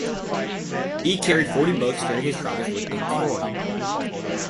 He carried forty books during his travels with de Croix.